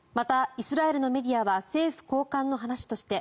イスラエルのメディアは政府高官の話として